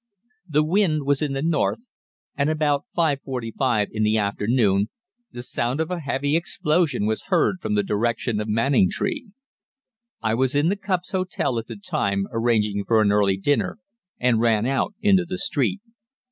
The wind was in the north, and about 5.45 in the afternoon the sound of a heavy explosion was heard from the direction of Manningtree. I was in the Cups Hotel at the time arranging for an early dinner, and ran out into the street.